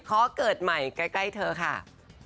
ขอเกิดใหม่ใกล้เธอค่ะ